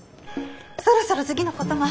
そろそろ次のことも。